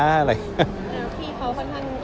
พี่เขาค่อนข้างคิดมากกับการเครียด